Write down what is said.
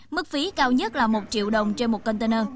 mức phí cao nhất là một triệu đồng trên một container